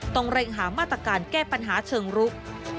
เร่งหามาตรการแก้ปัญหาเชิงรุก